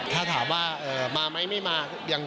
ถ้าถามว่ามาไหมไม่มา